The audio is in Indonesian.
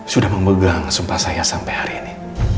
sudah memegang sumpah saya sampai hari ini